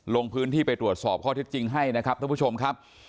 ลงพื้นที่ไปตรวจสอบข้อเท็จจริงให้นะครับท่านผู้ชมครับ